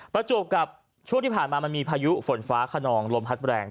ประจวบกับช่วงที่ผ่านมามันมีพายุฝนฟ้าขนองลมพัดแรง